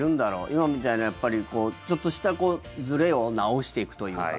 今みたいな、ちょっとしたずれを直していくというか。